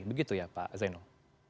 begitu ya pak zainal